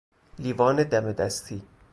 لیوان دم دستی